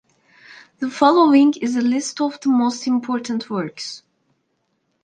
The following is a list of the most important works.